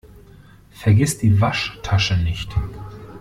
Vergiss die Waschtasche nicht!